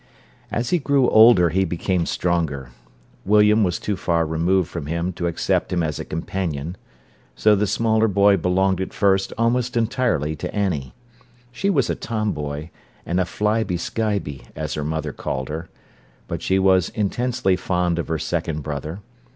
As he grew older he became stronger. William was too far removed from him to accept him as a companion. So the smaller boy belonged at first almost entirely to Annie. She was a tomboy and a "flybie skybie", as her mother called her. But she was intensely fond of her second brother.